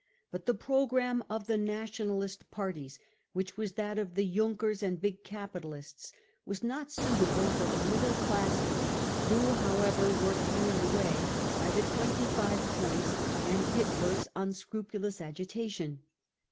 But the • programme of the Nationalist parties, which was that of the Junkers and big capitalists, was not suitable for the middle * classes, who however were carried away by the twenty five points and Hitler's unscrupulous agitation.